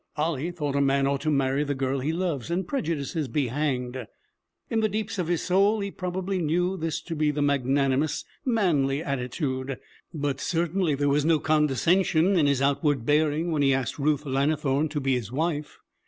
Ollie thought a man ought to marry the girl he loves, and prejudices be hanged! In the deeps of his soul, he probably knew this to be the magnanimous, manly attitude, but certainly there was no condescension in his outward bearing when he asked Ruth Lannithorne to be his wife.